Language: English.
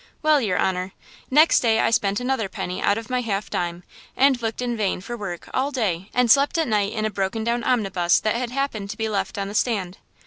"Well, your honor, next day I spent another penny out of my half dime and looked in vain for work all day and slept at night in a broken down omnibus that had happened to be left on the stand.